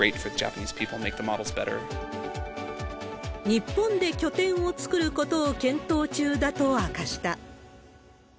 日本で拠点を作ることを検討中だと明かした。